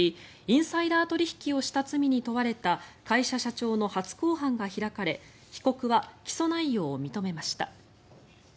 インサイダー取引をした罪に問われた会社社長の初公判が開かれ被告は起訴内容を認めました。